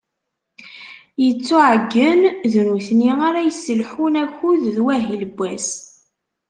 yettuɛeyyen, d nutni ara yesselḥun akud d wahil n was.